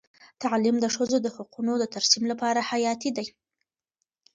تعلیم د ښځو د حقونو د ترسیم لپاره حیاتي دی.